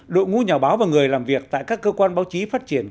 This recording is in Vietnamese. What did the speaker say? đội ngũ nhà báo và người làm việc tại các cơ quan báo chí phát triển